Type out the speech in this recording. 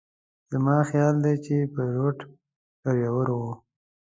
زما خیال دی چې پیلوټ ډریور و.